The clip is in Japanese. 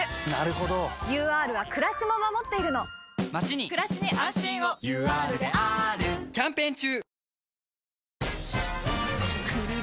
ＵＲはくらしも守っているのまちにくらしに安心をＵＲであーるキャンペーン中！